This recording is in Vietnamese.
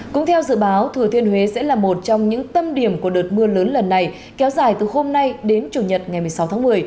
cũng theo dự báo thừa thiên huế sẽ là một trong những tâm điểm của đợt mưa lớn lần này kéo dài từ hôm nay đến chủ nhật ngày một mươi sáu tháng một mươi